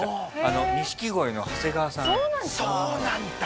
錦鯉の長谷川さん。